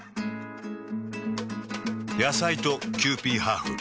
野菜とキユーピーハーフ。